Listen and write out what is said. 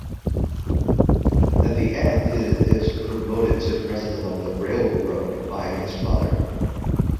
At the end he is promoted to president of the railroad by his father.